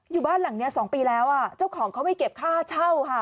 อยู่บ้านหลังนี้๒ปีแล้วเจ้าของเขาไม่เก็บค่าเช่าค่ะ